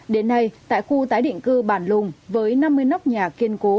đến nay tại khu tái định cư bản lùng với năm mươi nóc nhà kiên cố